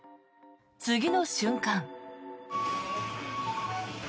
次の瞬間。